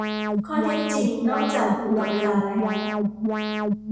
ข้อเท็จจริง นอกจากผูกกับเวลาแล้ว